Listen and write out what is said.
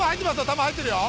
球入ってるよ